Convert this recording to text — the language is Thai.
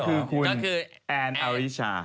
ก็คือคุณแอนด์อาริชา